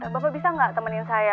bapak bisa nggak temenin saya